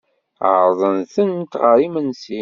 Ɛerḍen-tent ɣer imensi.